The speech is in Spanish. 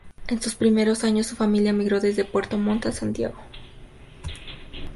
En sus primeros años, su familia migró desde Puerto Montt a Santiago.